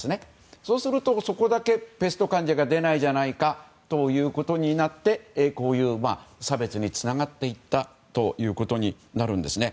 そうするとそこだけペスト患者が出ないじゃないかということになってこういう差別につながっていったということになるんですね。